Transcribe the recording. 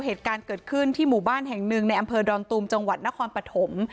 เหตุการณ์เกิดขึ้นที่หมู่บ้านแห่งหนึ่งในอำเภอดอนตูมจังหวัดนครปฐม